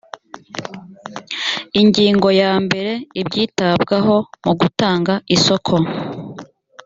ingingo ya mbere ibyitabwaho mu gutanga isoko